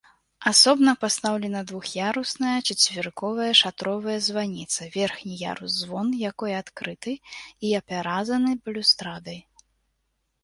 Асобна пастаўлена двух'ярусная чацверыковая шатровая званіца, верхні ярус-звон якой адкрыты і апяразаны балюстрадай.